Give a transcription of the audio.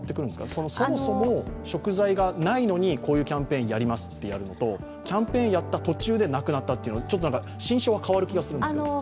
そもそも食材がないので、こういうキャンペーンやりますってやるのとキャンペーンやった途中でなくなったというのは、心証が変わるとおもうんですけども。